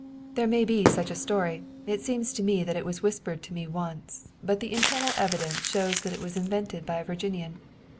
"There may be such a story. It seems to me that it was whispered to me once, but the internal evidence shows that it was invented by a Virginian.